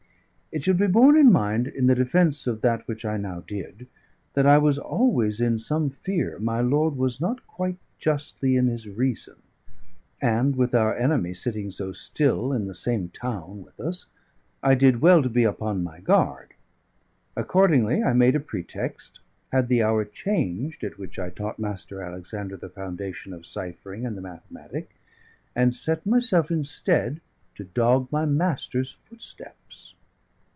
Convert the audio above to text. It should be borne in mind, in the defence of that which I now did, that I was always in some fear my lord was not quite justly in his reason; and with our enemy sitting so still in the same town with us, I did well to be upon my guard. Accordingly I made a pretext, had the hour changed at which I taught Mr. Alexander the foundation of ciphering and the mathematic, and set myself instead to dog my master's footsteps.